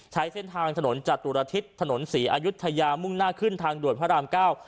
ใช้เส้นทางถนนจตุรทิศถนนศรีอายุทยามุ่งหน้าขึ้นทางด่วนพระรามเก้า